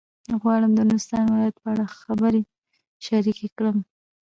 غواړم د نورستان ولایت په اړه خبرې شریکې کړم.